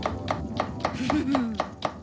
フフフッ。